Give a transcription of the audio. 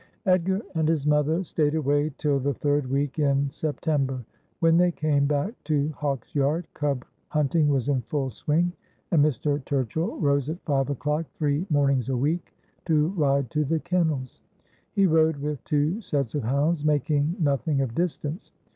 Edgar and his mother stayed away till the third week in September. When they came back to Hawksj'ard cub hunting was in full swing, and Mr. Turchill rose at five o'clock three mornings a week to ride to the kennels. He rode with two sets of hounds, making nothing of distance.